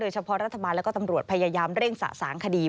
เฉพาะรัฐบาลและก็ตำรวจพยายามเร่งสะสางคดี